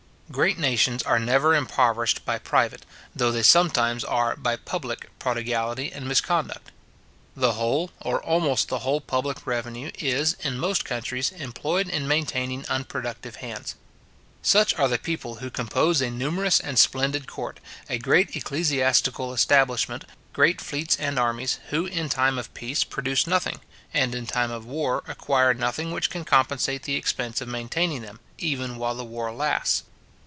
Great nations are never impoverished by private, though they sometimes are by public prodigality and misconduct. The whole, or almost the whole public revenue is, in most countries, employed in maintaining unproductive hands. Such are the people who compose a numerous and splendid court, a great ecclesiastical establishment, great fleets and armies, who in time of peace produce nothing, and in time of war acquire nothing which can compensate the expense of maintaining them, even while the war lasts.